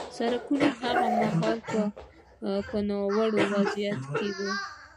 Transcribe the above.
سړکونه هغه مهال په ناوړه وضعیت کې وو